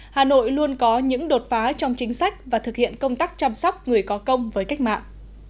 hà nội luôn có những đột phá trong chính sách và thực hiện công tác chăm sóc người có công với cách mạng